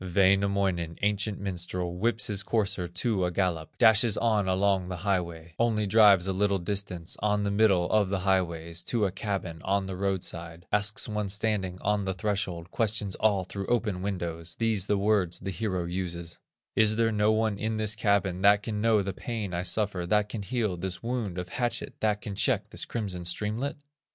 Wainamoinen, ancient minstrel, Whips his courser to a gallop, Dashes on along the highway; Only drives a little distance, On the middle of the highways, To a cabin on the road side, Asks one standing on the threshold, Questions all through open windows, These the words the hero uses: "Is there no one in this cabin, That can know the pain I suffer, That can heal this wound of hatchet, That can check this crimson streamlet?"